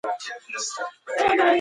که کار نه وي، نو ژوند بې خونده کیږي.